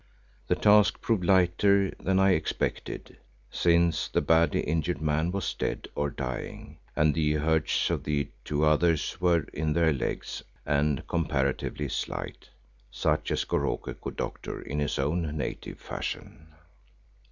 The task proved lighter than I expected, since the badly injured man was dead or dying and the hurts of the two others were in their legs and comparatively slight, such as Goroko could doctor in his own native fashion.